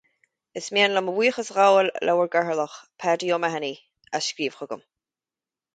Is mian liom mo bhuíochas a ghabháil le bhur gCathaoirleach, Paddy O'Mahony, as scríobh chugam